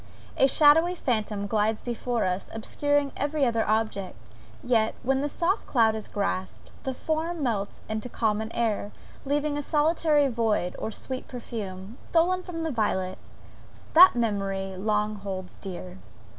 A shadowy phantom glides before us, obscuring every other object; yet when the soft cloud is grasped, the form melts into common air, leaving a solitary void, or sweet perfume, stolen from the violet, that memory long holds dear.